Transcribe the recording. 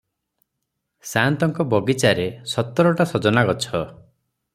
ସାଆନ୍ତଙ୍କ ବଗିଚାରେ ସତରଟା ସଜନାଗଛ ।